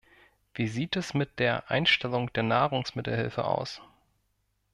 Wie sieht es mit der Einstellung der Nahrungsmittelhilfe aus?